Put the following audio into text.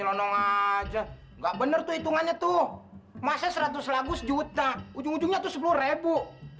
lonong aja enggak bener tuh hitungannya tuh masa seratus lagu sejuta ujung ujungnya tuh sepuluh ribu